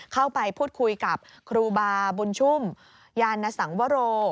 เข้าไปพูดคุยกับครูบาบุญชุ่มยานสังวโร